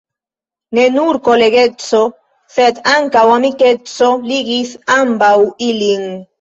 Ne nur kolegeco, sed ankaŭ amikeco ligis ambaŭ ilin.